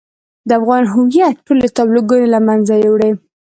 د افغان هويت ټولې تابلوګانې له منځه يوړې.